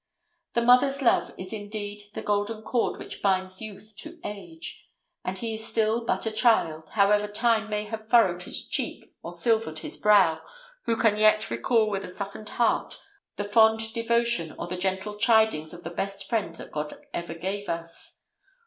The mother's love is indeed the golden cord which binds youth to age; and he is still but a child, however time may have furrowed his cheek or silvered his brow, who can yet recall with a softened heart the fond devotion or the gentle chidings of the best friend that God ever gave us.